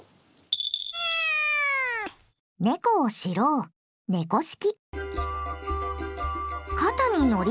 猫を知ろう「猫識」。